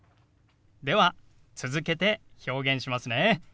では続けて表現しますね。